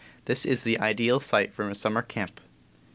This is the ideal site for a summer camp.